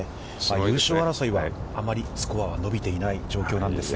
優勝争いは、あんまりスコアは伸びていない状況なんですが。